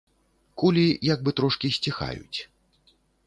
Кулі як бы трошкі сціхаюць.